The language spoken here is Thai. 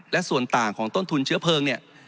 และส่วนต่างของต้นทุนเชื้อเพลิงเนี่ย